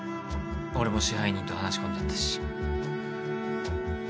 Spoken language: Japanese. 俺も支配人と話し込んじゃったし。